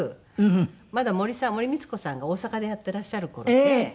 まだ森光子さんが大阪でやっていらっしゃる頃で。